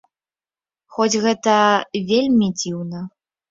Хоць гэта вельмі дзіўна.